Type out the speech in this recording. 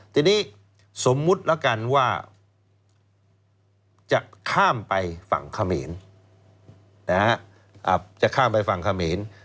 ทีนี้สมมุติแล้วกันว่าจะข้ามไปฝั่งเขมร